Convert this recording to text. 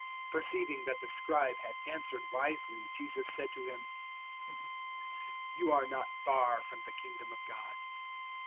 012:034 Perceiving that the Scribe had answered wisely Jesus said to him, "You are not far from the Kingdom of God."